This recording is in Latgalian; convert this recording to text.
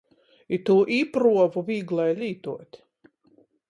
Itū īpruovu vīglai lītuot.